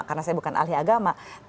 karena saya bukan ahli agama